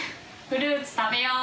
「フルーツ食べよう」。